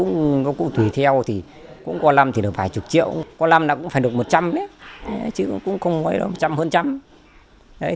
nó cũng tùy theo thì cũng có lâm thì được vài chục triệu có lâm là cũng phải được một trăm linh chứ cũng không mấy đâu một trăm linh hơn một trăm linh